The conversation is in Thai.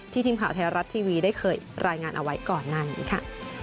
ทีมข่าวไทยรัฐทีวีได้เคยรายงานเอาไว้ก่อนหน้านี้ค่ะ